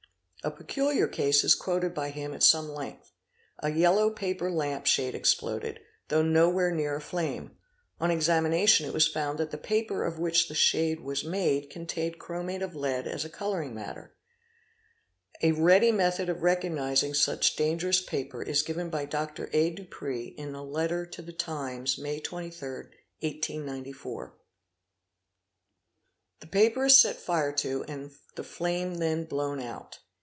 A peculiar case is quoted by him at some length. A yellow paper lamp shade exploded, though nowhere near a flame. On examination it was found that the paper of which the shade was made contained chromate of lead as a colouring matter, A ready method of recognising such dangerous paper is given by Dr. A. Dupré in a letter to 'The Times"? May 23rd, 1894; "The paper is set fire to and the flame then blown out.